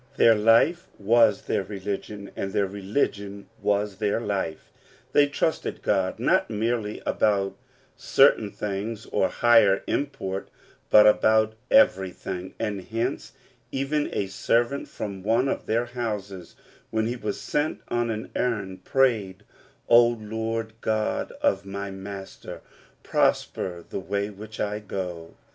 Their life was their religion, and their religion was their life. They trusted God, not merely about certain things of higher import, but about everything, and hence, even a servant from one of their houses, when he was sent on an errand, prayed, "O Lord God of my master, prosper the way which I go